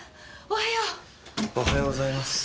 おはようございます。